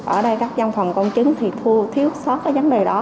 ở đây các giam phòng công chứng thì thiếu sót vấn đề đó